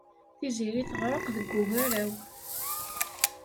Tiziri teɣreq deg ugaraw.